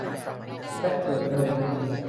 และเกิดมะเร็ง